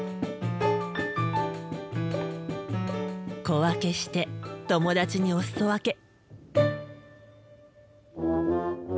小分けして友達におすそ分け。